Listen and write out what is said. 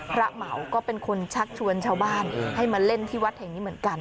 เหมาก็เป็นคนชักชวนชาวบ้านให้มาเล่นที่วัดแห่งนี้เหมือนกัน